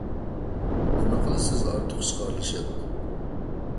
نېمە قىلىسىز ئارتۇق ئىشقا ئارىلىشىپ؟